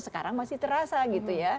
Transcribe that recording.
sekarang masih terasa gitu ya